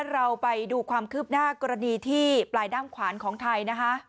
เราไปดูความคืบหน้ากรณีที่ปลายด้ามขวานของไทยนะคะ